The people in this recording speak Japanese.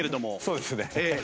そうですね。